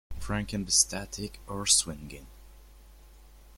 The frame can be static or swinging.